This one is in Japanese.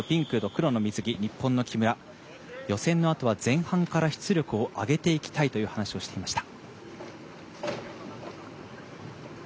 日本の木村、予選のあとは前半から出力を上げていきたいという話をしていました。